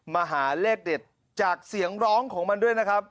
มาหาเลขเด็ดจากเสียงร้องของมันด้วยนะครับ